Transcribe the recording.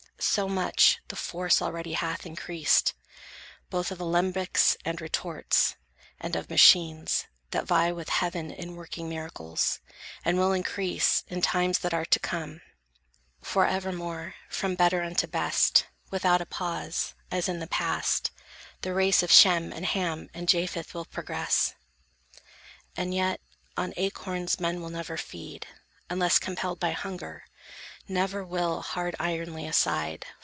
So much The force already hath increased, both of Alembics, and retorts, and of machines, That vie with heaven in working miracles, And will increase, in times that are to come: For, evermore, from better unto best, Without a pause, as in the past, the race Of Shem, and Ham, and Japhet will progress. And yet, on acorns men will never feed, Unless compelled by hunger; never will Hard iron lay aside.